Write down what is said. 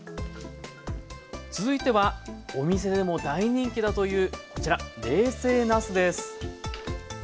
続いてはお店でも大人気だというこちら「冷製なす」です。